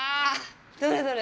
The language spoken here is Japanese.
どれどれ？